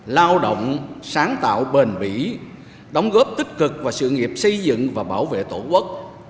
lao động sáng tạo bền bỉ đóng góp tích cực vào sự nghiệp xây dựng và bảo vệ tổ quốc